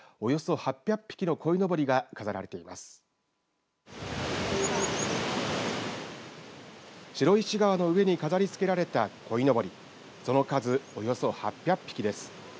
その数、およそ８００匹です。